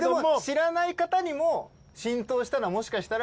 知らない方にも浸透したのはもしかしたら。